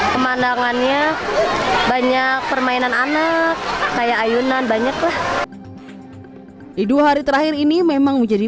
pemandangannya banyak permainan anak kayak ayunan banyak lah di dua hari terakhir ini memang menjadi